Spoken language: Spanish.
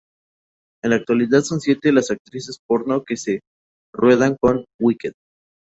En la actualidad son siete las actrices porno que solo ruedan con Wicked.